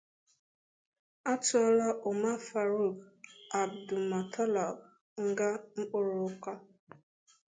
A tuola Umar Farouk Abdulmutallab nga mkpuru oka